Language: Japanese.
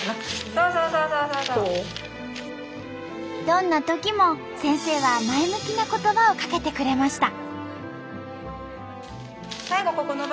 どんなときも先生は前向きな言葉をかけてくれました。